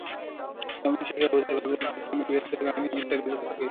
যেমন শিশুরা ভূতের গল্প, অদ্ভুত কোনো বীরত্বের কাহিনি ইত্যাদি বলে থাকে।